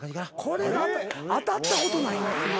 これ当たったことない。